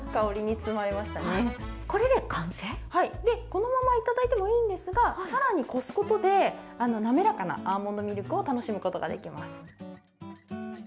このままいただいてもいいんですがさらに、こすことで滑らかなアーモンドミルクを楽しむことができます。